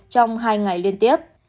trong hai ngày liên tiếp